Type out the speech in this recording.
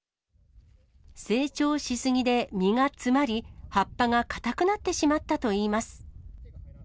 成長し過ぎで実が詰まり、葉っぱが硬くなってしまったといいます。